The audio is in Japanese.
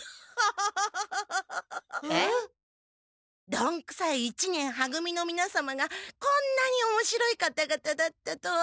どんくさい一年は組のみなさまがこんなにおもしろい方々だったとは。